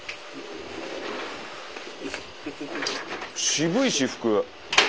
渋い私服。